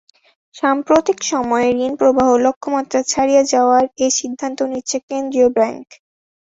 সাম্প্রতিক সময়ে ঋণপ্রবাহ লক্ষ্যমাত্রা ছাড়িয়ে যাওয়ায় এ সিদ্ধান্ত নিচ্ছে কেন্দ্রীয় ব্যাংক।